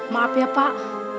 maaf ya pak